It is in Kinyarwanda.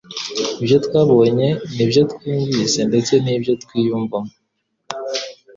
ibyo twabonye, n'ibyo twumvise ndetse n'ibyo twiyumvamo.